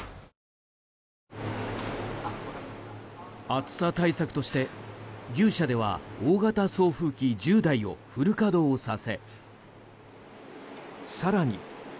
暑さ対策として牛舎では大型送風機１０台をフル稼働させ更に。